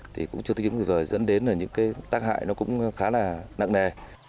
thì cũng chưa thích ứng rồi dẫn đến những cái tác hại nó cũng khá là nặng nề